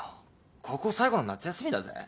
高校最後の夏休みだぜ！？